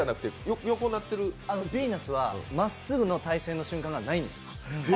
ヴィーナスはまっすぐの体勢の瞬間がないんです。